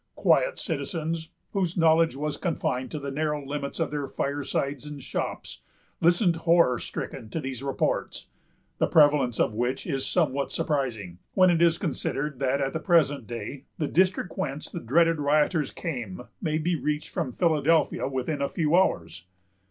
Quiet citizens, whose knowledge was confined to the narrow limits of their firesides and shops, listened horror stricken to these reports; the prevalence of which is somewhat surprising, when it is considered that, at the present day, the district whence the dreaded rioters came may be reached from Philadelphia within a few hours.